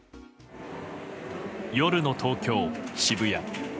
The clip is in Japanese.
夜の東京・渋谷。